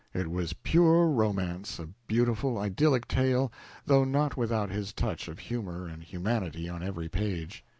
It was pure romance, a beautiful, idyllic tale, though not without his touch of humor and humanity on every page.